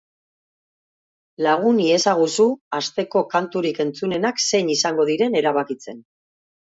Lagun iezaguzu asteko kanturik entzunenak zein izango diren erabakitzen.